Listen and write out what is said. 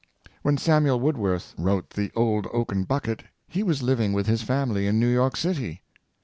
When Samuel Woodworth wrote *' The Old Oaken Bucket," he was living with his family in New York City.